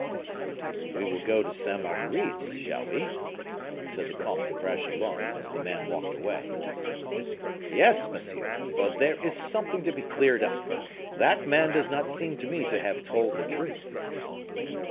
"We will go to Sainte Marguerite's, shall we?" said the comte to Bragelonne, as the man walked away. "Yes, monsieur, for there is something to be cleared up; that man does not seem to me to have told the truth."